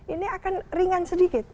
ini akan ringan sedikit